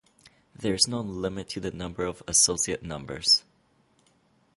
There is no limit to the number of "associate members".